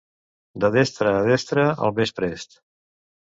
De destre a destre, el més prest.